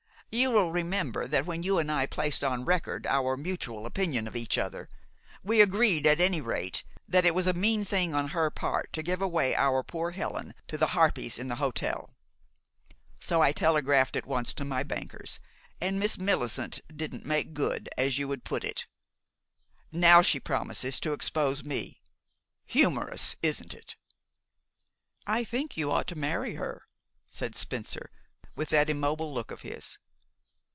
You will remember that when you and I placed on record our mutual opinion of each other, we agreed at any rate that it was a mean thing on her part to give away our poor Helen to the harpies in the hotel. So I telegraphed at once to my bankers, and Miss Millicent didn't make good, as you would put it. Now she promises to 'expose' me. Humorous, isn't it?" "I think you ought to marry her," said Spencer, with that immobile look of his.